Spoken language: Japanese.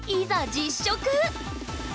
実食！